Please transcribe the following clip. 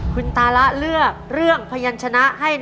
คุณยายแจ้วเลือกตอบจังหวัดนครราชสีมานะครับ